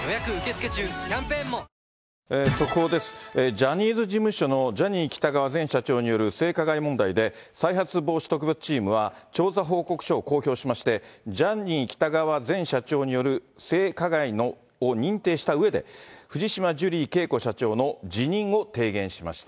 ジャニーズ事務所のジャニー喜多川前社長による性加害問題で、再発防止特別チームは、調査報告を公表しまして、ジャニー喜多川前社長による性加害を認定したうえで、藤島ジュリー景子社長の辞任を提言しました。